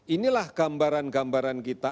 inilah gambaran gambaran kita